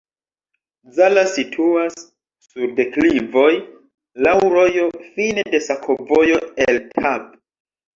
Zala situas sur deklivoj, laŭ rojo, fine de sakovojo el Tab.